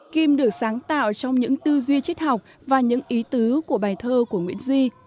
kim được sáng tạo trong những tư duy chất học và những ý tứ của bài thơ của nguyễn duy